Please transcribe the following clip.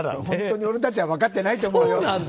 本当俺たちは分かっていないと思うよ。